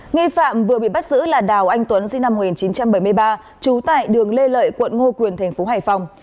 nghi phạm vừa bị bắt giữ là đào anh tuấn sinh năm một nghìn chín trăm bảy mươi ba trú tại đường lê lợi quận ngô quyền tp hải phòng